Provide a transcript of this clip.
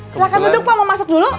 silahkan duduk pak mau masuk dulu